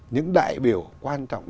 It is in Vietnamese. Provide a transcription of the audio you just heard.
những đại biểu quan trọng